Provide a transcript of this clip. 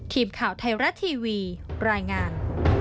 ทีมข่าวไทยรัฐทีวีรายงาน